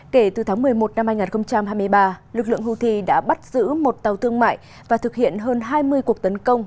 kể từ tháng một mươi một năm hai nghìn hai mươi ba lực lượng houthi đã bắt giữ một tàu thương mại và thực hiện hơn hai mươi cuộc tấn công